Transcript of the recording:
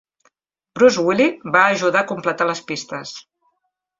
Bruce Woolley va ajudar a completar les pistes.